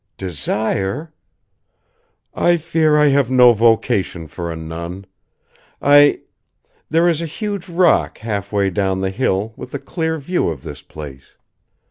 "Desire?" "I fear I have no vocation for a nun. I there is a huge rock half way down the hill with a clear view of this place.